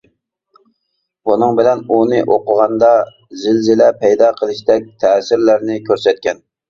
بۇنىڭ بىلەن ئۇنى ئوقۇغاندا زىلزىلە پەيدا قىلىشتەك تەسىرلەرنى كۆرسەتكەن.